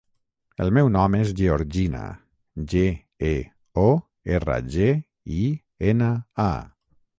El meu nom és Georgina: ge, e, o, erra, ge, i, ena, a.